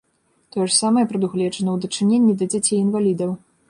Тое ж самае прадугледжана ў дачыненні да дзяцей-інвалідаў.